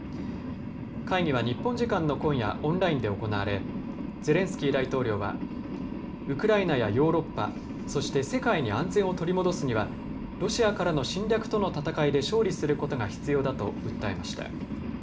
会議は日本時間の今夜オンラインで行われゼレンスキー大統領はウクライナやヨーロッパそして世界に安全を取り戻すにはロシアとの侵略との戦いで勝利することが必要だと訴えました。